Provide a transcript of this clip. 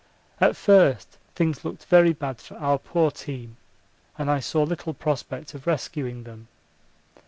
At first things looked very bad for our poor team, and I saw little prospect of rescuing them.